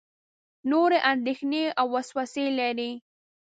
نورې اندېښنې او وسوسې لري.